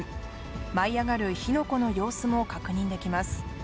舞い上がる火の粉の様子も確認できます。